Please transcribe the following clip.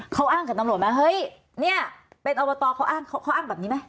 เค้าอ้างกับตำรวจมาเนี่ยเป็นอบตเค้าอ้างแบบนี้ไหม